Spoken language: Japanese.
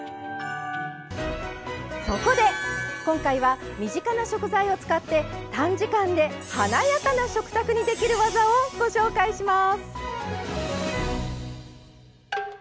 そこで今回は身近な食材を使って短時間で華やかな食卓にできる技をご紹介します。